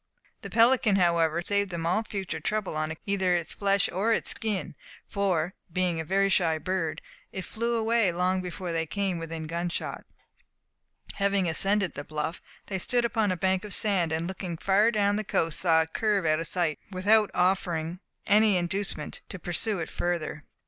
The pelican, however, saved them all future trouble on account of either its flesh or its skin, for, being a very shy bird, it flew away long before they came within gunshot. Having ascended the bluff, they stood upon a bank of sand, and looking far down the coast saw it curve out of sight, without offering any inducement to pursue it further.